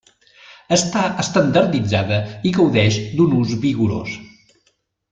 Està estandarditzada i gaudeix d'un ús vigorós.